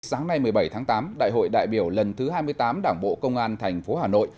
sáng nay một mươi bảy tháng tám đại hội đại biểu lần thứ hai mươi tám đảng bộ công an thành phố hà nội